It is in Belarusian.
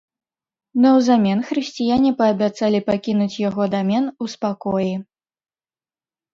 Наўзамен хрысціяне паабяцалі пакінуць яго дамен у спакоі.